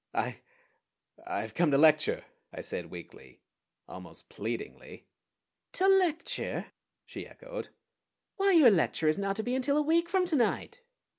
"I I've come to lecture," I said weakly, almost pleadingly. "To lecture?" she echoed. "_Why, your lecture is not to be until a week from to night!